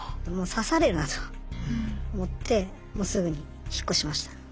もう刺されるなと思ってもうすぐに引っ越しました。